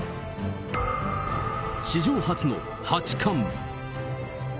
史上初の八冠。